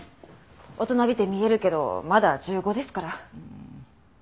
大人びて見えるけどまだ１５ですから。